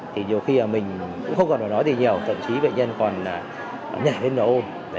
thì nhiều khi mình cũng không còn nói gì nhiều thậm chí bệnh nhân còn nhảy lên và ôm